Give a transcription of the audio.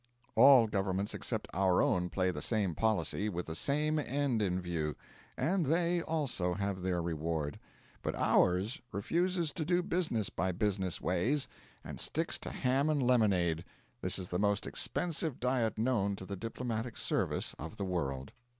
All Governments except our own play the same policy, with the same end in view; and they, also, have their reward. But ours refuses to do business by business ways, and sticks to ham and lemonade. This is the most expensive diet known to the diplomatic service of the world.